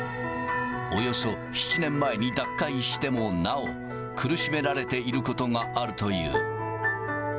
およそ７年前に脱会してもなお、苦しめられていることがあるという。